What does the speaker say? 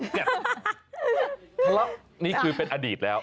ทะเลาะนี่คือเป็นอดีตแล้ว